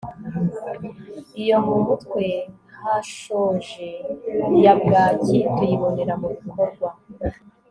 iyo mu mutwe hashoje ya bwaki tuyibonera mu bikorwa